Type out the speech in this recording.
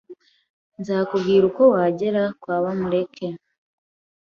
Nzakubwira uko wagera kwa Bamureke.